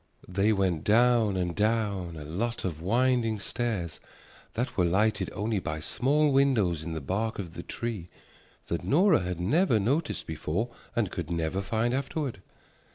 They went down and down a lot of winding stairs that were lighted only by small windows in the bark of the tree that Nora had never noticed before and could never find afterward.